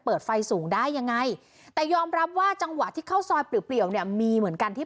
เปิดไฟสูงได้ยังไงแต่ยอมรับว่าจังหวะที่เข้าซอยเปลี่ยวเนี่ยมีเหมือนกันที่